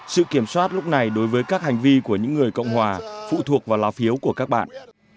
sự kiểm soát lúc này đối với các hành vi của những người cộng hòa phụ thuộc vào lá phiếu của các bạn